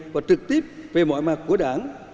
và trực tiếp về mọi mặt của đảng